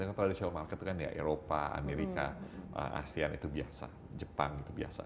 karena non traditional market itu kan ya eropa amerika asean itu biasa jepang itu biasa